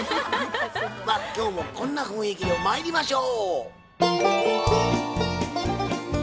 まあ今日もこんな雰囲気でまいりましょう！